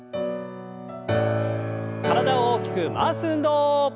体を大きく回す運動。